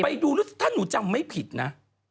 ไปดูถ้าหนูจำไม่ผิดนะ